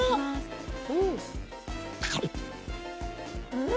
うん！